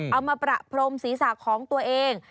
เอามาประพรมศีรษะของตัวเอง